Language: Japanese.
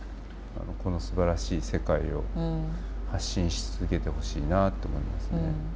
このすばらしい世界を発信し続けてほしいなと思いますね。